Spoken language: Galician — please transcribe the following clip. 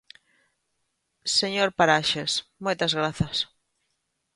Señor Paraxes, moitas grazas.